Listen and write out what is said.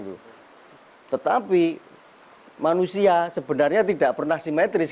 tetapi manusia sebenarnya tidak pernah simetris